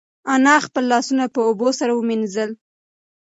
انا خپل لاسونه په اوبو سره ومینځل.